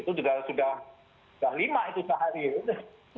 itu juga sudah lima itu sehari saja